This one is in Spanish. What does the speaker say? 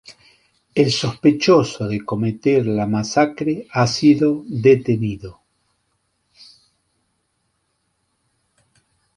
El sospechoso de cometer la masacre ha sido detenido.